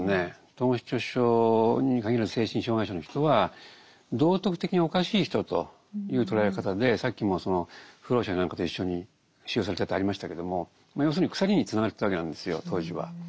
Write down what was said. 統合失調症に限らず精神障害者の人は道徳的におかしい人という捉え方でさっきもその浮浪者や何かと一緒に収容されたとありましたけどもまあ要するに鎖につながれてたわけなんですよ当時は。